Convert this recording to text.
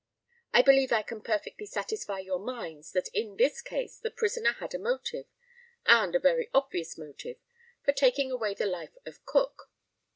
I believe I can perfectly satisfy your minds that in this case the prisoner had a motive, and a very obvious motive, for taking away the life of Cook.